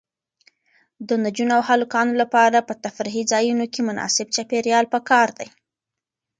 د نجونو او هلکانو لپاره په تفریحي ځایونو کې مناسب چاپیریال پکار دی.